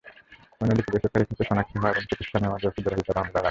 অন্যদিকে বেসরকারি খাতের শনাক্ত হওয়া এবং চিকিৎসা নেওয়া রোগীদের হিসাব আমরা রাখি।